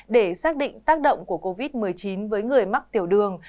để xác định tác động của covid một mươi chín với người mắc tiểu đường